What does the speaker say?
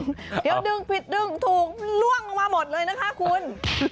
เดี๋ยวดึงผิดดึงถูกล่วงลงมาหมดเลยนะคะคุณ